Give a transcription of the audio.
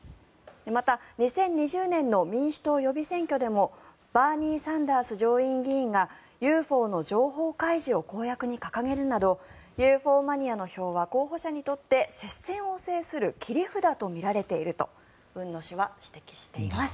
また、２０２０年の民主党予備選挙でもバーニー・サンダース上院議員がＵＦＯの情報開示を公約に掲げるなどＵＦＯマニアの票は候補者にとって接戦を制する切り札と見られていると海野氏は指摘しています。